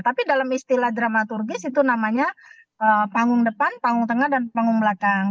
tapi dalam istilah dramaturgis itu namanya panggung depan panggung tengah dan panggung belakang